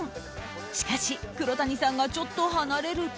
しかし、黒谷さんがちょっと離れると。